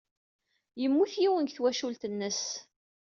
Yemmut yiwen deg twacult-nnes.